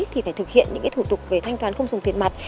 thì phải thực hiện những thủ tục về thanh toán không dùng tiền mặt